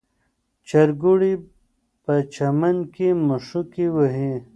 چرګوړي په چمن کې مښوکې وهي.